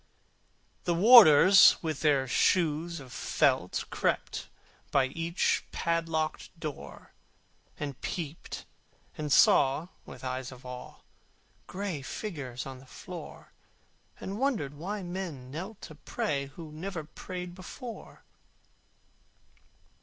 The warders with their shoes of felt Crept by each padlocked door, And peeped and saw, with eyes of awe, Gray figures on the floor, And wondered why men knelt to pray Who never prayed before.